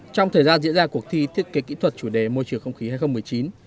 trong thời gian diễn ra cuộc thi thiết kế kỹ thuật chủ đề môi trường không khí hai nghìn một mươi chín